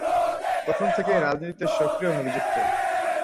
তখন থেকেই রাজনীতিতে সক্রিয়ভাবে যুক্ত।